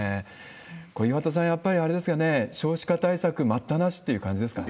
これ、岩田さん、やっぱりあれですよね、少子化対策待ったなしという感じですかね？